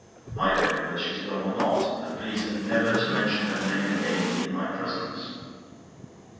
I don't know whether she is well or not, but please never to mention her name again in my presence."